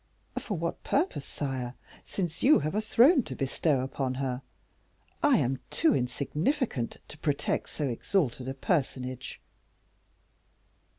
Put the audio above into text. "For what purpose, sire, since you have a throne to bestow upon her? I am too insignificant to protect so exalted a personage."